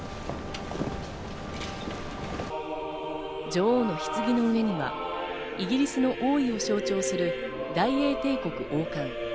女王のひつぎの上にはイギリスの王位を象徴する大英帝国王冠。